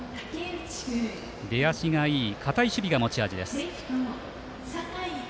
出足がいい堅い守備が持ち味の竹内。